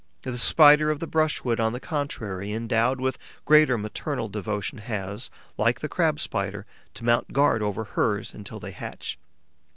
The Spider of the brushwood, on the contrary, endowed with greater maternal devotion, has, like the Crab Spider, to mount guard over hers until they hatch.